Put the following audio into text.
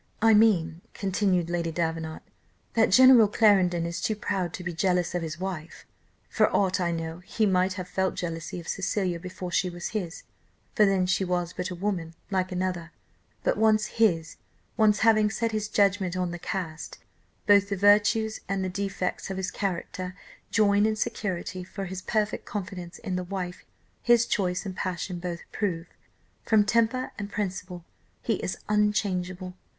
"I mean," continued Lady Davenant, "that General Clarendon is too proud to be jealous of his wife. For aught I know, he might have felt jealousy of Cecilia before she was his, for then she was but a woman, like another; but once HIS once having set his judgment on the cast, both the virtues and the defects of his character join in security for his perfect confidence in the wife 'his choice and passion both approve.' From temper and principle he is unchangeable.